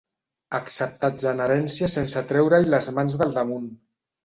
Acceptats en herència sense treure-hi les mans del damunt.